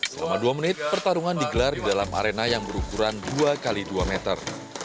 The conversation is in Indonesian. selama dua menit pertarungan digelar di dalam arena yang berukuran dua x dua meter